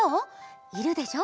いるでしょ？